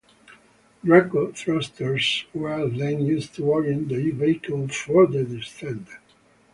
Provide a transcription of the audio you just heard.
Draco thrusters were then used to orient the vehicle for the descent.